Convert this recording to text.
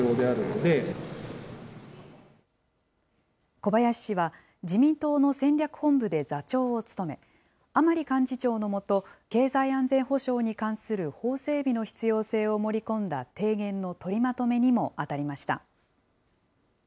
小林氏は、自民党の戦略本部で座長を務め、甘利幹事長の下、経済安全保障に関する法整備の必要性を盛り込んだ提言の取りまとめにも当たりました。